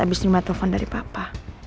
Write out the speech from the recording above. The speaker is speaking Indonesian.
abis terima telepon dari papa